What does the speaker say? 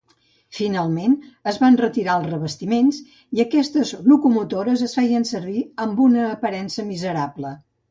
Finalment, es van retirar els revestiments i aquestes locomotores es feien servir amb una aparença miserable.